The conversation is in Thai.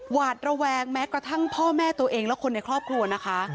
หวาดระแวงแม้กระทั่งพ่อแม่ตัวเองและคนในครอบครัวนะคะ